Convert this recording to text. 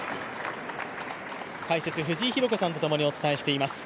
解説、藤井寛子さんと共にお伝えしています。